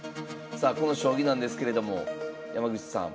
さあこの将棋なんですけれども山口さん。